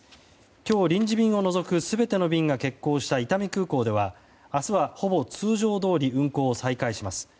今日、臨時便を除く全ての便が欠航した伊丹空港では明日は、ほぼ通常どおり運航を再開します。